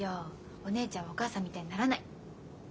お姉ちゃんはお母さんみたいにならない。